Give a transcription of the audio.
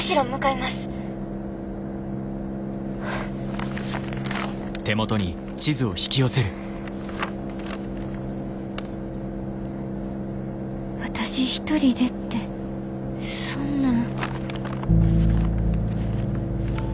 心の声私一人でってそんなん。